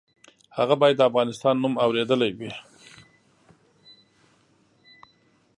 هغه باید د افغانستان نوم اورېدلی وي.